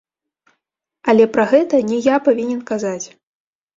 Але пра гэта не я павінен казаць.